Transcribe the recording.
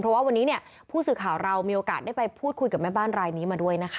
เพราะว่าวันนี้เนี่ยผู้สื่อข่าวเรามีโอกาสได้ไปพูดคุยกับแม่บ้านรายนี้มาด้วยนะคะ